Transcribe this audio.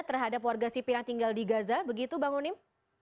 terhadap warga sipil yang tinggal di gaza begitu bang onim